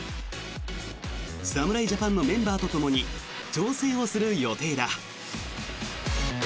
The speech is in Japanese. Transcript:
侍ジャパンのメンバーとともに調整をする予定だ。